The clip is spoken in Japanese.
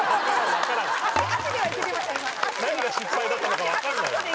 何が失敗だったのか分かんない。